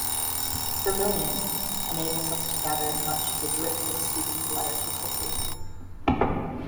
Firmilian enables us to gather much of the drift of Stephen's letter to Cyprian.